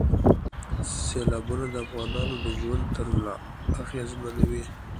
سیلابونه د افغانانو د ژوند طرز اغېزمنوي.